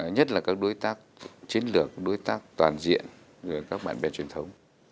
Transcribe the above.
nhất là các đối tác chiến lược đối tác toàn diện các bạn bè truyền thống